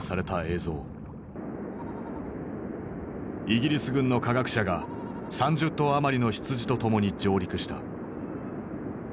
イギリス軍の科学者が３０頭余りの羊と共に上陸した。